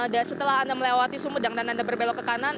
dan setelah anda melewati sumedang dan anda berbelok ke kanan